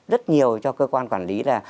rất nhiều cho cơ quan quản lý là